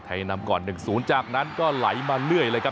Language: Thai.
นำก่อน๑๐จากนั้นก็ไหลมาเรื่อยเลยครับ